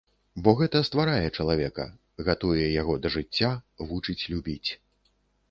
Бо гэта стварае чалавека, гатуе яго да жыцця, вучыць любіць.